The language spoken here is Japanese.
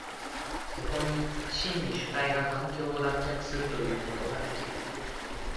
そこに真に主体が環境を脱却するということができる。